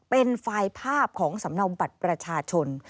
เป็นไฟล์ภาพของสำเนาบัตรประชาชน